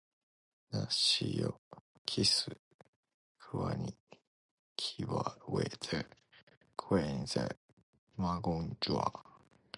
na siyo kisu kwani kinaweza kueneza magonjwa